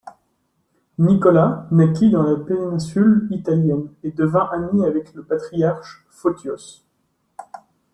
Nicolas naquit dans la péninsule Italienne et devint ami avec le patriarche Photios.